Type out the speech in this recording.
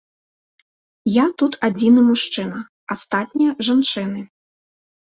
Я тут адзіны мужчына, астатнія жанчыны.